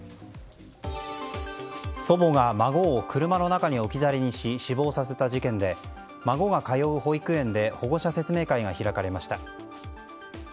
祖母が孫を車の中に置き去りにし死亡させた事件で孫が通う保育園で保護者説明会が開かれました。